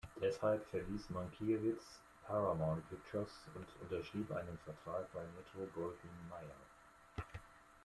Deshalb verließ Mankiewicz Paramount Pictures und unterschrieb einen Vertrag bei Metro-Goldwyn-Mayer.